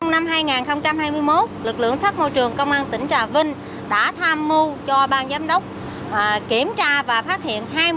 năm hai nghìn hai mươi một lực lượng sát môi trường công an tỉnh trà vinh đã tham mưu cho bang giám đốc kiểm tra và phát hiện